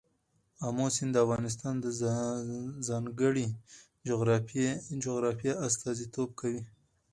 آمو سیند د افغانستان د ځانګړي جغرافیه استازیتوب کوي.